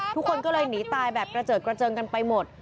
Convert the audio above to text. ทุกคนก็เลยหนีตายแบบกระเจิดกระเจิงกันไปหมด